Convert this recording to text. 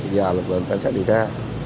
và lực lượng cảnh sát địa tra